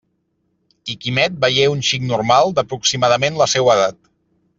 I Quimet veié un xic normal d'aproximadament la seua edat.